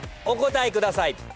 お答えください。